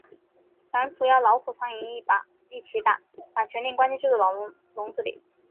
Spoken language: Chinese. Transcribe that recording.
反腐要老虎、苍蝇一起打，把权力关进制度的笼子里。